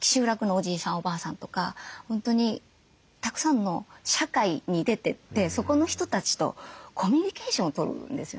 おばあさんとか本当にたくさんの社会に出てってそこの人たちとコミュニケーションを取るんですよね。